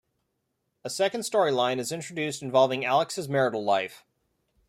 A second story line is introduced involving Alex's marital life.